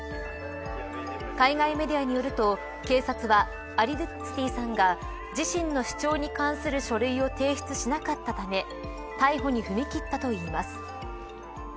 海外メディアによると警察は、アリドゥスティさんが自身の主張に関する書類を提出しなかったため逮捕に踏み切ったといいます。